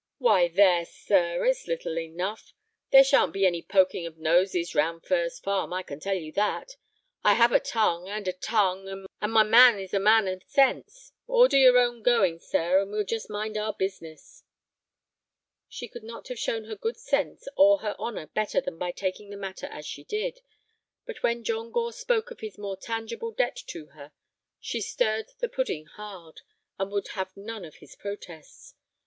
"Why, there, sir, it's little enough. There sha'n't be any poking of noses round Furze Farm, I can tell you that. I have a tongue—and a tongue, and my man is a man o' sense. Order your own goings, sir, and we'll just mind our business." She could not have shown her good sense or her honor better than by taking the matter as she did. But when John Gore spoke of his more tangible debt to her, she stirred the pudding hard, and would have none of his protests.